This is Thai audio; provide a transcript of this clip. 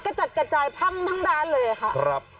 กระจัดกระจายพังทั้งร้านเลยค่ะ